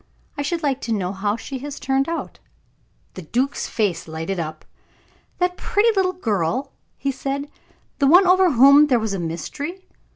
I should like to know how she has turned out." The duke's face lighted up. "That pretty little girl," he said; "the one over whom there was a mystery.